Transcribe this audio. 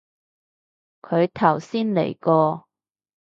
佢頭先嚟過